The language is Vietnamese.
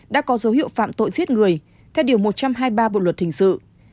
đã có dấu hiệu phạm tội giết người theo điều một trăm hai mươi ba bộ luật hình sự